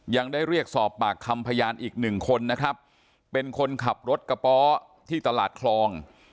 ยังได้เรียกสอบปากคำพยานอีกหนึ่งคนนะครับเป็นคนขับรถกระป๋อที่ตลาดคลอง